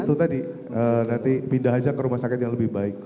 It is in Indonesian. itu tadi nanti pindah aja ke rumah sakit yang lebih baik